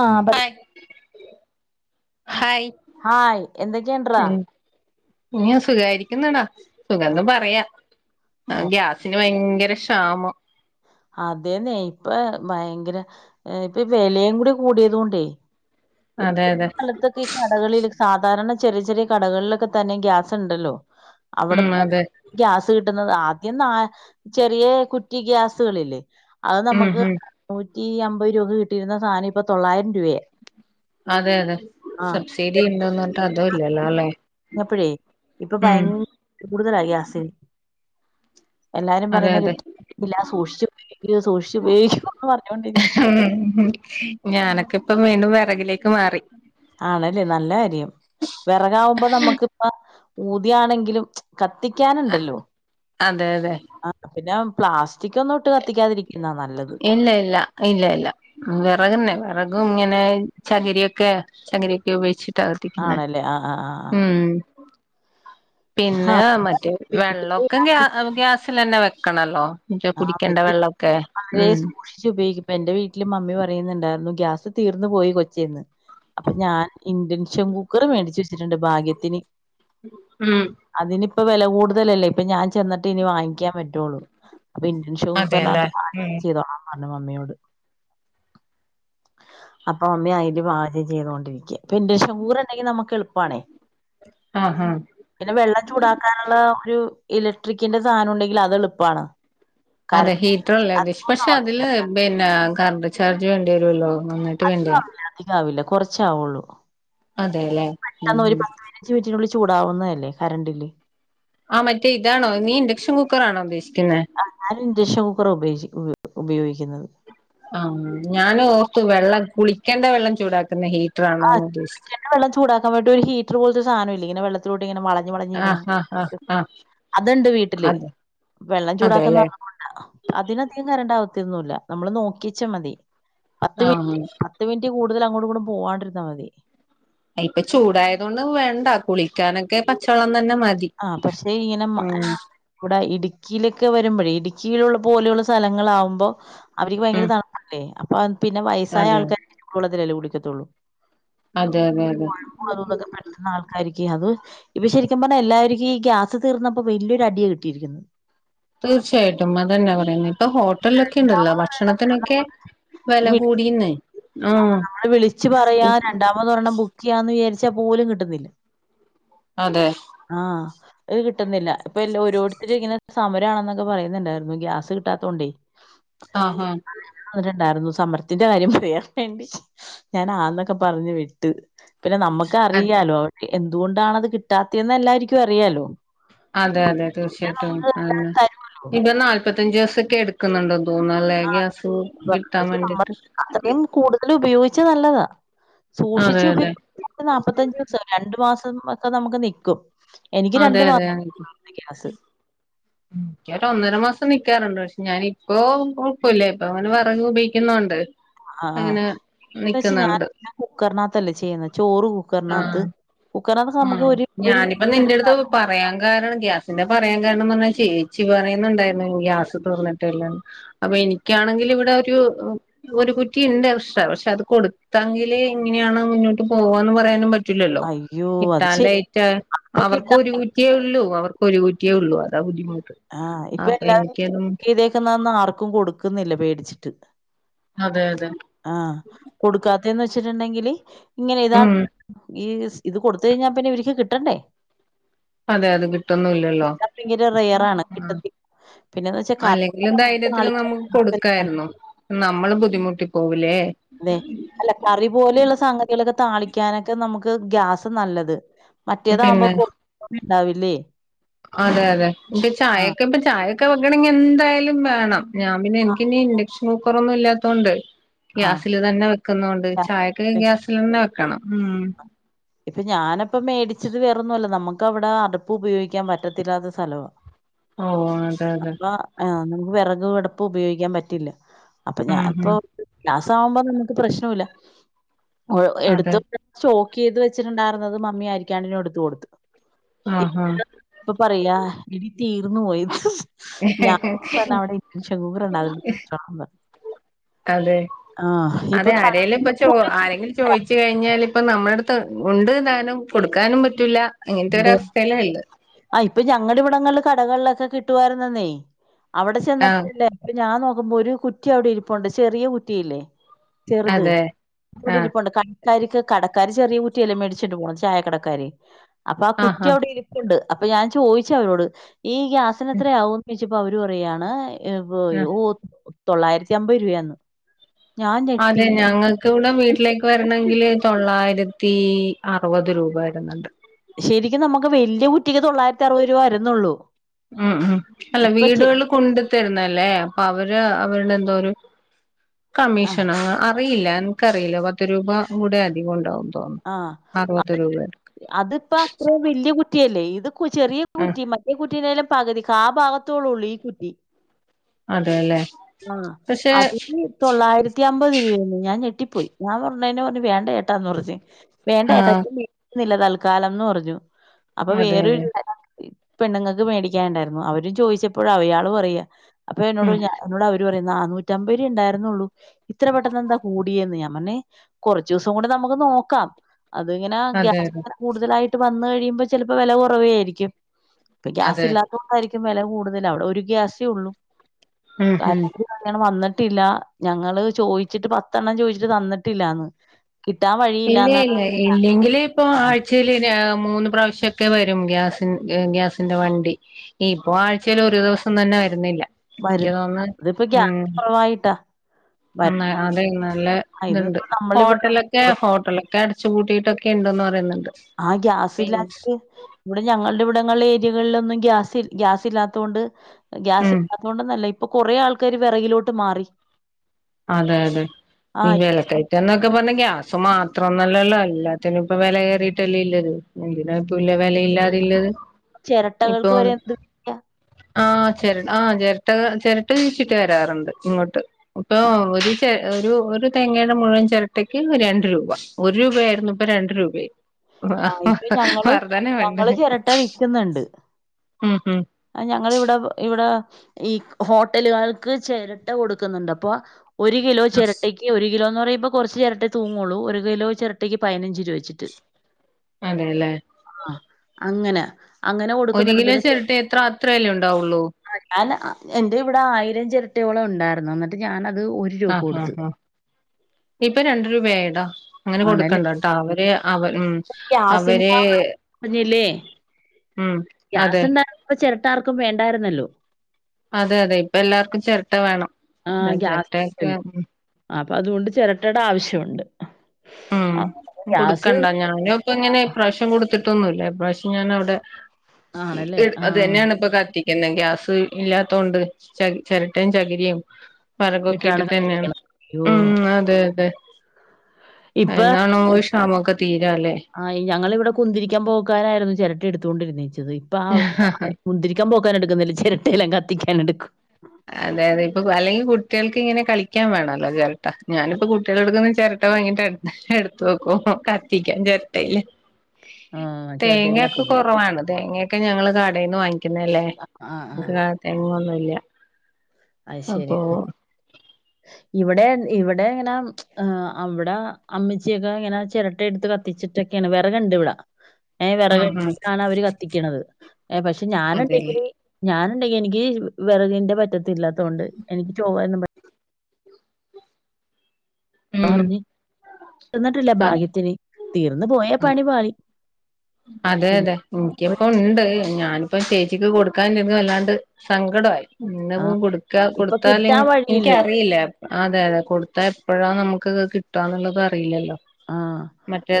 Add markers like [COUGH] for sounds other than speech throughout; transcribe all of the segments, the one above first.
ആഹ് ബടിം hi hi hi എന്തൊക്കെണ്ട്റാ ഇന്ന് ഞാൻ സുഖായിരിക്കുന്നടാ സുഖന്നും പറയാ ആ ഓ ഗ്യാസിന് ഭയങ്കര ക്ഷാമം അതേന്നെ ഇപ്പ ഭയങ്കര ഇപ്പ ഈ വെലയും കൂടി കൂടിയതോണ്ടേ അതെ അതെ സ്ഥലത്തൊക്കെ ഈ കടകളിൽ സാധാരണ ചെറിയ ചെറിയ കടകൾലൊക്കെ തന്നെ ഗ്യാസ് ഇണ്ടല്ലോ ഉം അവിടത്തെന്നെണ്ട് അതെ ഗ്യാസ് കിട്ടുന്നത് ആദ്യം നാ ചെറിയ കുറ്റി ഗ്യാസുകളില്ലേ അത് ഉം നമക്ക് ഉം നൂറ്റിഅമ്പത് രൂപക്ക് കിട്ടിയിരുന്ന സാധനം ഇപ്പൊ തൊള്ളായിരം രൂപയാ അതെ അതെ ആഹ് സബ്സിഡി ഇണ്ടോന്നർഞ്ഞിട്ട് അതും ഇല്ലല്ലോ അല്ലെ അപ്പൊഴേ ഇപ്പൊ ഉം ഭയങ്കര [UNINTELLIGIBLE] കൂടുതലാ ഗ്യാസിന് എല്ലാരും അതെ പറയുന്ന് അതെ കിട്ടില്ല സൂക്ഷിച്ച് ഉപയോഗിക്ക് സൂക്ഷിച്ച് ഉപയോഗിക്ക്ന്ന് പറഞ്ഞോണ്ടിരിക്ക ഉം ഉം ഞാനൊക്കെ ഇപ്പം വീണ്ടും വെറകിലേക്ക് മാറി ആണല്ലേ നല്ല കാര്യം വെറകാവുമ്പോ നമ്മുക്ക്പ്പ ഊതിയാണെങ്കിലും കത്തിക്കാന്ണ്ടല്ലോ അതെ അതെ ആഹ് പിന്നെ പ്ലാസ്റ്റിക്കൊന്നും ഇട്ട് കത്തിക്കാതിരി ഇല്ലയില്ല ഇല്ലയില്ല വെറകെന്നെ വെറകും ഇങ്ങനെ ചകിരിയൊക്കെ ചകിരയൊക്കെ ഉപയോഗിച്ച് ട്ടാ കത്തിക്കുന്നേ ആണല്ലേ ആ ആ ആ ആ ഉം ആ പിന്നെ ഇവിടെ മറ്റേ വീട്ടില് വെള്ളൊക്കെ ഞാൻ ഗ്യാ വെ- ഗ്യാസിലെന്നെ വെക്കണല്ലോ മറ്റേ കുടിക്കേണ്ട വെള്ളൊക്കെ ക്ഷിച്ച് ഉപയോഗിക്ക് പ്പന്റെ വീട്ടില് മമ്മി പറയുന്നുണ്ടായിരുന്നു ഗ്യാസ് തീർന്നു പോയി കൊച്ചേന്ന് അപ്പൊ ഞാൻ ഇൻ്റൻക്ഷൻ കുക്കറ് മേടിച്ച് വെച്ചിട്ടുണ്ട് ഭാഗ്യത്തിന് ഉം അതിനിപ്പ വെലകൂടുതലല്ലേ ഇപ്പൊ ഞാൻ ചെന്നിട്ട് ഇനി വാങ്ങിക്കാൻ പറ്റുള്ളൂ അപ്പൊ ഇൻ്റൻക്ഷൻ കുക്കർ അതെല്ലേ നകത്ത് പാചകം ഉം ചെയ്തോളാം പർഞ്ഞു മമ്മിയോട് അപ്പൊമ്മി അയില് പാചകചെയ്തൊണ്ടിരിക്കാ ഇപ്പ ഇൻ്റൻഷൻ കുക്കറിണ്ടെങ്കി നമ്മക്ക് എളുപ്പാണേ ആഹ് ഹാ പിന്നെ വെള്ളം ചൂടാക്കാനുള്ള ഒരു ഇലക്ട്രിക്കിന്റെ സാനൂണ്ടെങ്കില് അത് എളുപ്പാണ് അതെ ഹീറ്ററല്ല ഉദ്ദേശം പക്ഷേ ആവത്തില്ല അതില് പിന്നെ കറണ്ട്ചാർജ് വേണ്ടി വരുല്ലോ അധികാവില്ല അധികാവില്ല കെറച്ചാവുള്ളൂ അതെല്ലേ ഉം അഞ്ച് മിനിറ്റിനുള്ളിൽ ചൂടാവുന്നതല്ലേ കറണ്ടില് ആ മറ്റേ ഇതാണോ നീ ഇൻ്റക്ഷൻ കുക്കറാണോ ഉദ്ദേശിക്കുന്നേ ആഹ് ഞാൻ ഇൻ്റഷൻകുക്കറാ ഉപയി ഉപയോഗിക്കുന്നത് ആം ഞാനോർത്തു വെള്ളം കുളിക്കണ്ടെ വെള്ളം ചൂടാക്കുന്ന ഹീ ആ കുളിക്കേണ്ട വെള്ളം ചൂടാക്കാൻ വേണ്ടി ഒരു ഹീറ്റർ പോലത്തെ ഒരു സാധന ഇല്ലേ ഇങ്ങനെ വെള്ളത്തിലോട്ട് ഇങ്ങനെ വളഞ്ഞു വളഞ്ഞ് ആഹ് ഹ ഹ ഹാ അത്ണ്ട് വീട്ടില് വെള്ളം അതെല്ലേ ചൂടാക്കുന്നതാണോ പോണ്ട അതിനധികം കരണ്ട ആകത്തെന്നൂല്ല നമ്മള് നോക്കിച്ച മതി പത്ത് മിനിറ്റ് ആന്ന് പത്ത് മിനിറ്റ് കൂടുതൽ അങ്ങോട്ടു ഇങ്ങോട്ടും പോവാണ്ടിരുന്നാമതി ആ ഇപ്പൊ ചൂടായതൊണ്ട് വേണ്ട കുളിക്കാനൊക്കെ പച്ചവെള്ളം തന്നെ മതി ആഹ് പക്ഷേ ഇങ്ങനെ മഴ ഉം ഇവിടെ ഇടുക്കിയിലൊക്കെ വരുമ്പഴേ ഇടുക്കിയിലു പോലെയുള്ള സ്ഥലങ്ങളാകുമ്പോ അവർക്ക് ഭയങ്കര തണുപ്പല്ലേ അപ്പൊ പിന്നെ വയസ്സായ അതെ ആൾക്കാരക്കെ ചൂടുവെള്ളത്തിലല്ലേ കുളിക്കത്തൊള്ളൂ അതെ അതെ അതെ അതുഇതൊക്കെ പറ്റുന്ന ആൾക്കാരിക്ക്‌ അത് ഇപ്പ ശെരിക്കും പറഞ്ഞാ എല്ലാ ര്ക്ക് ഈ ഗ്യാസ് തീർന്നപ്പോ വല്ല്യോരു അടിയ കിട്ടിയിരിക്കുന്നു തീർച്ചയായിട്ടും അതെന്നാ പറയുന്നേ ഇപ്പൊ ഹോട്ടലൊക്കെ ഉണ്ടല്ലോ രണ്ടാമത് ഒരെണ്ണം ഭക്ഷണത്തിനൊക്കെ നമ്മള് വെല കൂടീന്നെ ആഹ് നമ്മള് വിളിച്ചു പറയാ രണ്ടാമത് ഒരെണ്ണം ബുക്ക് ചെയ്യാന്ന് വിചാരിച്ചാ പോലും കിട്ടുന്നില്ല അതെ ആഹ്‌ ഇത് കിട്ടുന്നില്ല ഇപ്പൊ എല്ലോ ഓരോരുത്തര് ഇങ്ങനെ സമരമാണെന്നൊക്കെ പറയുന്നുണ്ടായിരുന്നു ഗ്യാസ് കിട്ടാത്തോണ്ടേ ആഹ്‌ ആഹ്‌ അവരൊണ്ടായിരുന്നു സമരത്തിന്റെ കാര്യം പറയാ വേണ്ടി ഞാൻ ആവുന്നൊക്കെ പറഞ്ഞ് വിട്ട് പിന്നെ നമ്മുക്ക് അതെ അറിയാലോ എ എന്തുകൊണ്ടാണത് കിട്ടാത്തയെന്ന് എല്ലാരിക്കും അറിയാലോ അതെ അതെ പിന്നെ പിന്നെ തീർച്ചയായിട്ടും നമ്മള് ആന്ന എല്ലാരും തരുവല്ലോ ഇപ്പ നാല്പത്തഞ്ചു ദിവസൊക്കെ എടുക്കുന്നുണ്ടോ തോന്ന ആഹ് [UNINTELLIGIBLE] നമ്മൾ അത്രയും കൂടുതൽ ഉപയോഗിച്ചാ നല്ലതാ അതെ സൂക്ഷിച്ചു ഉപ അതെ ഇപ്പൊ നാല്പ്ത്തഞ്ചു ദിവസ രണ്ടു മാസം ഒക്കെ നമുക്ക് നിക്കും എനിക്ക് അതെ രണ്ടു മാ എ ഗ്യാസ് ഉം ക്കൊരു ഒന്നര മാസം നിക്കാറുണ്ട് പക്ഷേ ഞാനിപ്പോ കൊഴ്പ്പല്ല ഇപ്പൊ അങ്ങനെ വിറക് ഉപയോഗിക്കുന്നുണ്ട് അങ്ങനെ നിക്കുന്നുണ്ട് കുക്കറിനാത്തല്ലേ ചെയ്യുന്ന ചോറ് ആഹ് കുക്കറിനാത്ത് ആഹ് ഞാനും അപ്പൊ നിന്റടുത്ത് എടുക്കാലോ പറയാൻ കാരണം ഗ്യാസിന്റെ പറയാൻ കാരണംന്ന് പറഞ്ഞാൽ ചേച്ചി പറയുന്നുണ്ടായിരുന്നു ഗ്യാസ് തീർന്ന് ട്ടല്ലാന്ന് അപ്പൊ എനിക്കാണെങ്കില് ഇവിടെ ഒരു ഒരു കുറ്റി ഇണ്ട് പക്ഷ പക്ഷേ അത് കൊടുത്തങ്കിലെ ഇങ്ങനെയാണ് മുന്നോട്ട് പോകുവാനും പറയാനും പറ്റൂല്ലല്ലോ അയ്യോ അത് ശരി കിട്ടാലേറ്റാ ഇപ്പൊ അവർക്ക് കിട്ടാൻ ഒരു കുറ്റിയെ ഉള്ളൂ അവർക്ക് ഒരു കുറ്റിയെ ഒള്ളൂ അതാ ബുദ്ധിമുട്ട് ആഹ് ഇപ്പൊ അപ്പൊ എല്ലാവരും ബുക്ക്‌ എനിക്കതും ചെയ്തേക്കുന്ന ഒന്നു ആർക്കും കൊടുക്കുന്നില്ല പേടിച്ചിട്ട് അതെ അതെ ആഹ് കൊടുക്കാത്തെന്ന് വെച്ചിട്ട്ണ്ടെങ്കില് ഇങ്ങനെ ഇതാ ഉം ഈ സ് ഇത് കൊട്ത്തഴിഞ്ഞാ പിന്നെ ഇവര്ക്ക് കിട്ടണ്ടേ അതെ അത് കിട്ടുന്നുല്ലല്ലോ. കിട്ടാൻ ഭയങ്കര റെയറാണ് ആഹ് കിട്ടത്തി പിന്നെന്ന് വെച്ചാ അല്ലെങ്കിലും കറി ധൈര്യത്തില് താളിക്കാൻ നമക്ക് കൊട്ക്ക ക്കായ്ര്ന്നു നമ്മളും ബുദ്ധിമുട്ടി പോവൂലേ അതെ അല്ല കറി പോലെള്ള സംഗതികളൊക്കെ താളിക്ക്യാനൊക്കെ നമക്ക് ഗ്യാസ നല്ലത് മറ്റേതാവുമ്പോ പിന്നെ പൊ [UNINTELLIGIBLE] ണ്ടാവില്ലേ അതെ യാതെ ഇൻക്ക് ചായക്കെപ്പൊ ചായൊക്കെ വെക്കണങ്കി എന്തായാലും വേണം ഞാം പിന്നെ ആഹ് ഇൻക്കിനി ഇൻഡക്ഷൻ കുക്കറൊന്നുല്ലാത്തൊണ്ട് ഗ്യാസില് തന്നെ വെക്കുന്നോണ്ട് ആഹ് ചായ ക്ക് ഗ്യാസിലെന്നെ വെക്കണം ഉം ഇപ്പൊ ഞാനപ്പ മേടിച്ചത് വേറൊന്ന്വല്ല നമക്കവടെ അട്പ്പുപയോഗിക്കാൻ പറ്റത്തില്ലാത്ത സ്ഥലവാ. ഓഹ് അങ്ങൻതെത് അപ്പൊ ആഹ് നമക്ക് വെറക് അട്പ്പ് ഉപയോഗിക്കാൻ പറ്റില്ല അപ്പ ഉം ഞാൻപ്പോ ഉം ഗ്യാസാവുമ്പോ നമക്ക് പ്രശ്നുല്ല ഓഹ് അതെ എട്ത്ത് സ്റ്റോക്കെയ്ത് വെ ച്ച്ട്ട്ണ്ടായിര്ന്നത് മമ്മിയരിക്കാണ്ടിനെട്ത്ത് കൊടുത്ത് ആഹ് ആഹ് ഇപ്പൊ പറയാ എടി തീർന്നു പോയന്ന്. ഞാനി പർ [UNINTELLIGIBLE] അതെ ഇപ്പൊ അതെ ആരെലൊക്കെ ചോ ആരെങ്കിലും ചോയ്ച്ച് കറണ്ട് കഴി ഞ്ഞാലിപ്പം നമ്മളെട്ത്ത് ഉണ്ട് താനും കൊട്ക്കാനും പറ്റ്ല്ല അങ്ങൻത്തൊരവസ്ഥെല്ലള്ളെ ആഹ് ഇപ്പൊ ഞങ്ങടെവടങ്ങളിൽല് കടകൾലൊക്കെ കിട്ടുവായിര്ന്നന്നെയ് അവടെ ആഹ് ചെന്നപ്പോല്ലേ അപ്പൊ ഞാൻ നോക്കുമ്പോ ഒരു കുറ്റി അവടെയിരിപ്പുണ്ട് ചെറിയ കുറ്റിയില്ലേ ചെറ്ത് അതെ ആഹ് അവടെരിപ്പുണ്ട് ക ക്കാരിക്ക് കടക്കാാര് ചെറിയ കുറ്റിയല്ലേ മേടിച്ചോണ്ട് പോന്നത് ചായ കടക്കാര് അപ്പൊ ആ ആഹ് ആഹ് കുറ്റ്യവടെയിരി പ്പ്ണ്ട് അപ്പ ഞാൻ ചോയിച്ചവരോട് ഈ ഉം ഗ്യാസിനെത്രയാവുന്ന് ചോയിച്ചപ്പോ അവര് പറയാണ് ഇപ്പോ ആഹ് ഓ [UNINTELLIGIBLE] തൊള്ളായിരത്തി അമ്പത് രൂപയാന്ന്. ഞാൻ അതെ ഞെട്ടി ഞാൻ ഞങ്ങ ക്കിവിടം വീട്ടിലേക്ക് വെര്ണെങ്കില് തൊള്ളായിരത്തി അറുപത് രൂപ വെര്ന്ന്ണ്ട്. ശെരിക്കും നമക്ക് വെല്ല്യെ കുറ്റിക്ക് തൊള്ളായിരത്തി അറുപത് രൂവ വെര്ന്നൊള്ളൂ. ഉം ഉം അല്ല വീടുകൾല് കൊണ്ട് തര്ന്നല്ലേ അപ്പൊ അവര് അവര്ടെ എന്തോര് ആ കമ്മീഷന ആ റിയില്ല എൻക്കറിയില്ല പത്ത് രൂപ കൂടെ അധികണ്ടാവും തോന്ന്ണ്. ആഹ് അ [UNINTELLIGIBLE] അത്പ്പ അത്രേം വെല്ല്യെ കുറ്റ്യല്ലേ ഇത് ക്കു ചെറിയ ആഹ് കുറ്റി മറ്റേ കുറ്റീലേലും പക് തി കാഭാഗത്തോ ളൊള്ളൂ ഈ കുറ്റി അതെല്ലേ ആഹ് പക്ഷെ അത് ന് തൊള്ളായിരത്തി അമ്പത് രൂപയന്ന് ഞാൻ ഞെട്ടിപ്പോയി ഞാൻ പർഞ്ഞേന് പർഞ്ഞ് വേണ്ട ചേട്ടാന്ന് പർഞ്ഞ് വേണ്ട ചേട്ടാ ആഹ് [UNINTELLIGIBLE] തൽക്കാലംന്ന് പർഞ്ഞു അപ്പൊ അതെ വേറൊരു അതെ [UNINTELLIGIBLE] ഇ പെണ്ണ്ങ്ങക്ക് മേടിക്കാന്ണ്ടായിര്ന്നു അവര് ചോയ്ച്ചപ്പോഴ യാള് പറയ അപ്പൊ എന്നോട് ഉം ഞ എന്നോട് അവര് പറയ നന്നൂറ്റമ്പര് രൂ ണ്ടായിരുന്നൊള്ളൂ ഇത്ര പെട്ടെന്നെന്താ കൂടിയെന്ന് ഞാം പർഞ്ഞ് കൊർച്ചൂസം കൂടെ നമക്ക് നോക്കാം അത്ങ്ങനെ അതെ ഗ്യാസ് അതെ [UNINTELLIGIBLE] കൂടുതലായിട്ട് വന്ന് കഴിയുമ്പോ ചെലപ്പോ വെല കൊറവേയിരിക്കും. ഇപ്പൊ അതെ ഗ്യാസില്ലാത്തോണ്ടായിരിക്കും വെല കൂടുതല് അവടെ ഒര് ഗ്യാസേ ഒള്ളൂ ഉം ഉം [UNINTELLIGIBLE] അങ്ങനെ വന്ന്ട്ടില്ല ഞങ്ങള് ചോയ്ച്ചിട്ട് പത്തെണ്ണം ചോയ്ച്ചിട്ട് തന്ന്ട്ടില്ലാന്ന് കിട്ടാൻ വഴി ഇല്ലേ ഇല്ല ഇല്ലെങ്കില് പ്പൊ ആഴ് ച്ചേല് ങ്ങനെ മൂന്ന് പ്രാവശ്യൊക്കെ വരും ഗ്യാസിൻ ഗ്യാ ഗ്യാസിന്റെ വണ്ടി. ഇപ്പൊ ആഴ്‌ചേല് ഒരു ദിവസം തന്നെ വെര്ന്നില്ല ഇൻക്ക് തോന്ന്ന്ന് ഉം വായിട്ടാ ഇന്ന അത് നല്ല ഇത് ത്ണ്ട് നമ്മളിവിടെ ഹോട്ടലെ ഒ ഹോട്ടലൊക്കെ അടച്ചുപൂട്ടിയിട്ടൊക്കെ ഉണ്ടന്ന് പറയുന്നുണ്ട്. ആാ പിന്നെ ഗ്യാസിലാനറ്റ് ഇവിടെ ഞങ്ങളുടെ ഇവിടങ്ങളുള്ള ഏരിയകളിലൊന്നും ഗ്യാസ് ഗ്യാസ് ഇല്ലാത്തൊണ്ട് ഗ്യാസ് ഉം ഇല്ലാത്ത കൊൊണ്ട് നല്ല ഇപ്പൊ കുറേ ആൾക്കാാര് വിറകിലോട്ട് മാറി അതെ അതെ ആ നവലക്കായി എന്നൊക്കെ പറഞ്ഞ ഗ്യാസ് മാത്രംന്നല്ലല്ലോ എല്ലാത്തിനും ഇപ്പ വില കയറിയിട്ടല്ലേ ഇല്ലത്. എന്തിനാ ഇപ്പൊ വിലയില്ലാതില്ലത് ഇപ്പൊ ചിരട്ടകൾക്ക് വരെ എന്ത് വിലയാ ആ ചിരട്ട ആഹ് ചിരട്ട ചിരട്ട് ചീച്ചിട്ട് വരാറുണ്ട് ഇങ്ങോട്ട് ഇപ്പൊ ഒരു ചര ഒരു ഒരു തേങ്ങയുടെ മുഴുവൻ ചിരട്ടയ്ക്ക് രണ്ട് രൂപ ഒരു രൂപയായിരുന്നു ഇപ്പൊ രണ്ട് രൂപയായി ആ ഇപ്പൊ ഞങ്ങള് വർധനേ വേണ്ട ഞങ്ങള് ചിരട്ട ഉം ഉം ഞങ്ങൾ ഇവിടെ ഇവിടെ ഈ ഹോട്ടലുകൾക്ക് ചേരട്ട കൊടുക്കുന്നുണ്ട് അപ്പൊ ഒരു കിലോ ചിരട്ടയ്ക്ക് ഈ ഒരു കിലോ എന്ന് പറയുമ്പോ കുറച്ച് ചിരട്ടെ തൂങ്ങുള്ളൂ ഒരു കിലോ ചിരട്ടിക്ക് പതിനഞ്ച് രൂപ വച്ചിട്ട് അതെല്ലേ ആ അങ്ങനെ അങ്ങനെ കൊടുക്കുന്നുണ്ട് ഒരിക്കിലോ ചേരട്ടേ എത്ര അത്രയല്ലേ ഉണ്ടാവുള്ളൂ ആ ഞാൻ എന്റെ ഇവിടെ ആയിരം ചിരട്ടയോളം ഉണ്ടായിരുന്നു എന്നിട്ട് ഞാനത് ഉരി ആഹ് ആഹ് ആഹ് ഇപ്പോ രണ്ട് രൂപയായിട്ടോ അങ്ങനെ ആണല്ലേ കൊടുക്കണ്ടട്ടോ അവര് അവ മ്മ് ഗ്യാസിന്റെ അവര് പറഞ്ഞില്ലേ മ്മ് ഗ്യാസ് ഉണ്ടായിരുന്നപ്പ ചിരട്ടാർക്കും വേണ്ടായിരുന്നല്ലോ അതെ അതെ ഇപ്പ എല്ലാവർക്കും ചിരട്ട വേണം അ ചിരട്ടയൊക്കെ ആഹ് അപ്പൊ അതുകൊണ്ട് ചിരട്ടയുടെ ആവശ്യണ്ട് ഉം കൊടുക്കണ്ടാ ഞാനു ഇപ്പൊ ഇങ്ങനെ പ്രാവശ്യം കൊടുത്തിട്ടൊന്നുമല്ലേ പ്രാവശ്യം ഞാൻ അവിടെ ആണല്ലേ അത് ആഹ് തന്നെയാണ് ഇപ്പ കത്തി പിന്നെ ഗ്യാസ് ഇല്ലാത്തോണ്ട് ച ചിരട്ടയും, ചകിരിയും വിറകൊക്കെ ഇട്ടാണ് ഇട്ടിട്ട് തന്നെയാണ് കത്തിക്കണത്. അയ്യോ! ഉം അതെ അതെ ഇപ്പ എന്നാണാവോ ഈ ക്ഷാമൊക്കെ തീരാ അല്ലേ ആഹ് ഞങ്ങൾ ഇവടെ കുന്തിരിക്കാൻ പോക്കാനായിരുന്നു ചിരട്ട എടുത്തോണ്ടിരുന്നച്ചത് ഇപ്പ ആഹ് കുന്തിരി ക്കൻ പോക്കാന എടുക്കുന്നില്ല ചിരട്ടെല്ലാം കത്തിക്കാന എടുക്കും അതെ അതെ ഇപ്പൊ അല്ലെങ്കിൽ കുട്ടികൾക്ക് ഇങ്ങനെ കളിക്കാൻ വേണമല്ലോ ചിരട്ട ഞാനിപ്പ കുട്ടികള എടുക്കുന്ന ചിരട്ട ട്ട വാങ്ങിട്ട് എടുത്ത് വെക്കും കത്തിക്കാൻ ചിരട്ടയില്ല. ആഹ് ചിരട്ടയില് തേങ്ങക്കെ കത്തിക്കും. കുറവാണ് തേങ്ങക്കെ ഞങ്ങള് കടയെന്ന് വാങ്ങിക്ക കിക്കുന്നല്ലേ ആഹ് ആഹ് എനിക്ക് തെങ്ങൊന്നുല്ല അത് ശരിയാ ആഹ് [UNINTELLIGIBLE] ഇവിടെ ഇവിടെ ഇങ്ങനെ ആഹ് അവടെ അമ്മച്ചിയൊക്കെ ഇങ്ങനെ ചിരട്ട എടുത്ത് കത്തിച്ചിട്ടൊക്കെയാണ് വിറകണ്ട് ഇവടെ. ഏഹ് വെറക് ആഹ് ആഹ് ട്ടാണഅവര് കത്തിക്ക്ണത് ഏഹ് പക്ഷെ അതെല്ലേ ഞാനുണ്ടെങ്കില് ഞാന് ഇണ്ടെങ്കിൽ എനിക്ക് വെറ്കിന്റെ പറ്റത്തി ഇല്ലാത്ത കൊണ്ട് എനിക്ക് ചൊവ്വന്നും പ ഉം [UNINTELLIGIBLE] നിന്നിട്ടില്ല അതെ ഭാഗ്യത്തിന് തീർന്ന പോയ പണിപാളി അതെ അതെ എനിക്കിപ്പൊ ഉണ്ട് ഞാൻ ഇപ്പം ചേച്ചിക്ക് കൊടുക്കാൻ ഇല്ലങ്കി അല്ലാണ്ട് സങ്കടായി. ഇന്നിപ്പം ആഹ് കൊടുക്കാ ഇപ്പൊ കൊടുത്താല് കിട്ടാൻ വഴിയില്ലല്ലോ എനിക്കറിയില്ല അതെ അതെ കൊടുത്താ എപ്പോഴാ നമുക്ക് കിട്ടുകന്നുള്ളത് അറിയില്ലല്ലോ ആഹ്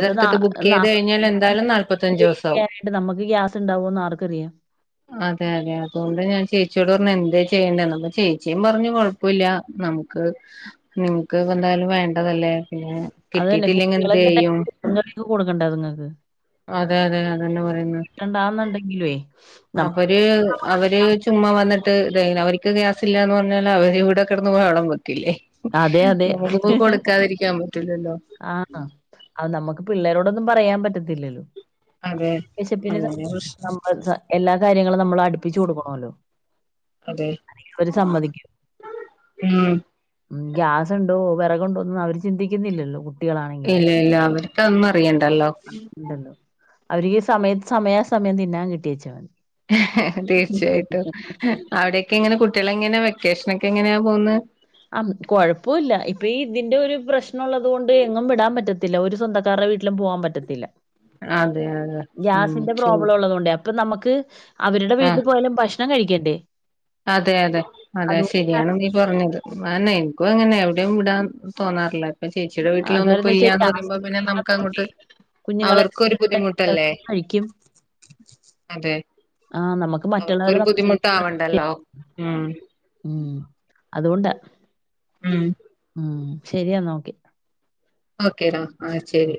ഇപ്പൊ നാ ബുക്ക് നാ ചെയ്ത് കഴിഞ്ഞാൽ എന്തായാലും നട് വെയിറ്റ് ചെയ്യാനായിട്ട് നമുക്ക് ഗ്യാസ് ഉണ്ടാവുമോന്ന് ആർക്കറിയാം ആ അതെ അതെ അതുകൊണ്ട് ഞാൻ ചേച്ചിയോട് പറഞ് എന്തേ ചെയ്യണ്ടേന്ന് അപ്പ ചേച്ചിയും പറഞ് കൊഴപ്പുല്യ നമുക്ക് നിമക്ക് എന്തായാലും വേണ്ടതല്ലേ പിന്നെ കിട്ടീട്ടില്ലെങ്കി എന്ത് ചെയ്യും കൊടുക്കണ്ട ത് ങ്ങക്ക് അതെ അതെ അ തന്നെ പറയുന്ന കിട്ടണ്ടാന്നുണ്ടെങ്കിലുവേ നം അവര് അവര് ചുമ്മാ വന്നിട്ട് ഇതയ് അവർക്ക് ഗ്യാസ് ഇല്ല ന്ന് പറഞ്ഞാല് അവര് വ്ടെക്കെടന്ന് ബഹളം വെക്കും തില്ലേ അതെ അതെ നമുക്കിപ്പോ കൊടുക്കാതിരിക്കാൻ പറ്റുല്ലല്ലോ ആ അത് നമുക്ക് പിള്ളേരോടൊന്നും പറയാൻ പറ്റത്തില്ലല്ലോ അതെ വിശപ്പിന് അതന്നെ പ്രശ്നം നമ്മൾ എല്ലാ കാര്യങ്ങളും നമ്മൾ അടുപ്പിച്ചു കൊടുക്കണല്ലോ അതെ ഉം ഉം ഗ്യാസ് ഉണ്ടോ, വിറകുണ്ടോന്നും അവര് ചിന്തിക്കുന്നില്ലല്ലോ കുട്ടികളാണെങ്കിലും ഇല്ല ഇല്ല അവര്ക്കതൊന്നും അറിയണ്ടല്ലോ ണ്ടല്ലോ അവര്ക്ക് സമയ സമയാസമയം തിന്നാൻ കിട്ടിയേച്ച മതി തീർച്ചയായിട്ടും. അവിടെക്കെ എങ്ങനെ കുട്ടികള എങ്ങനെ വെക്കേഷനൊക്കെ എങ്ങനെയാ പോകന്ന് ആ കൊഴപൂല്ല ഇപ്പൊ ഈ ഇതിന്റെ ഒരു പ്രശ്നം ഉള്ളത് കൊണ്ട് എങ്ങും വിടാൻ പറ്റത്തില്ല ഒരു സ്വന്തക്കാരുടെ വീട് എവിടക്കും പോവാൻ പറ്റത്തി ല്ല അതെ അതെ ഉം ഗ്യാസിന്റെ ചൂ പ്രോബ്ലോ ഉള്ളത്‌ കൊണ്ട് ഇപ്പൊ നമക്ക് അവരുടെ വീട്ടിൽ ആഹ് പോയാലും ഭക്ഷണം കഴിക്കണ്ടേ അതെ അതെ അതെ അതുകൊണ്ട് ശരിയാണ് നീ പറഞ്ഞത് അയന്നെ എനിക്കും അങ്ങനെ എവിടെ വിടാൻ തോന്നാറില്ല. അപ്പൊ ചേച്ചിയുടെ ആഹ് വീട്ടിലൊന്നും ഇപ്പ കാരണംന്ന് വെച്ചാ ഇല്ലയന്ന് ഗ്യാസ് പറയുമ്പോ പിന്നെ നമുക്ക് ഇല്ലാത്തോണ്ടേ അങ്ങോട്ട് കുഞ്ഞുങ്ങളെ അവർക്കൊരു വിട്ടിട്ടുണ്ടെങ്കിൽ അവര് ബുദ്ധിമുട്ടല്ലേ കഴിക്കും അതെ ആഹ് നമുക്ക് മറ്റുള്ളവരെ അവർക്കൊരു നമ്മൾ ബുദ്ധിമുട്ടാ ശല്യപ്പെടുത്താൻ വണ്ടല്ലോ പറ്റില്ല ഉം ഉം അതുകൊണ്ടാ ഉം ഉം ശരിയാ ഒക്കെ ഓക്കേടാ ആ ശരി